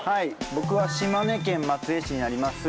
僕は島根県松江市にあります